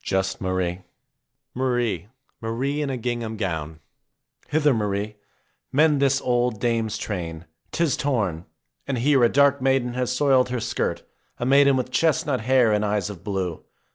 Just Marie ! Marie ! Marie in a gingham gown ! Hither, Marie ; mend this old dame's train, 'tis torn. And here a dark maiden has soiled her skirt, a maiden with chestnut hair and eyes of blue.